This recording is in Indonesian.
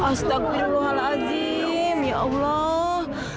astagfirullahaladzim ya allah